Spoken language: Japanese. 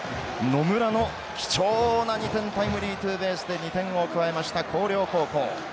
野村の貴重な２点タイムリーツーベースで２点を加えました広陵高校。